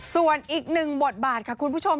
ส่วนอีกหนึ่งบทบาทค่ะคุณผู้ชม